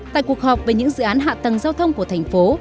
tại cuộc họp về những dự án hạ tầng giao thông của thành phố